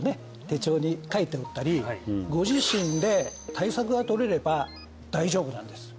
手帳に書いておいたりご自身で対策がとれれば大丈夫なんです